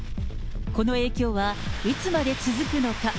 この影響はいつまで続くのか。